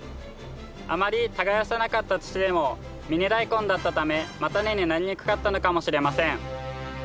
あまり耕さなかった土でもミニダイコンだったため叉根になりにくかったのかもしれません。